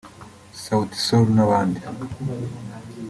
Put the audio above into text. Sauti Sol n’abandi